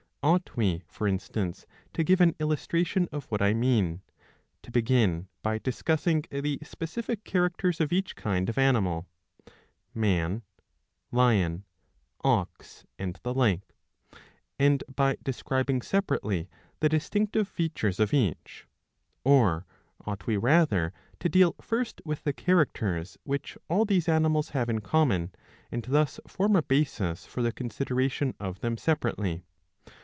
Ought we, for instance, to give an illustration of what I mean, to begin by discussing the specific characters of each kind of animal — man, lion, ox, and the like — and by describing separately the distinctive features of each, or ought we rather to deal first with the characters which all these animals have in common, and thus form a basis for the considera tion of them separately?